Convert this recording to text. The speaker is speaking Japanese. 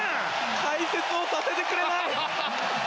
解説をさせてくれない！